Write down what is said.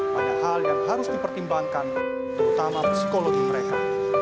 banyak hal yang harus dipertimbangkan terutama psikologi mereka